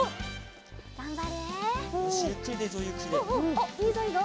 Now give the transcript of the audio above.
おっいいぞいいぞ